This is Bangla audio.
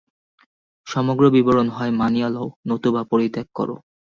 সমগ্র বিবরণ হয় মানিয়া লও, নতুবা পরিত্যাগ কর।